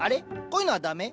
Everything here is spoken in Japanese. こういうのは駄目？